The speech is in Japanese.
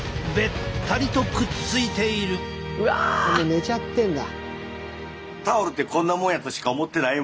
寝ちゃってんだ。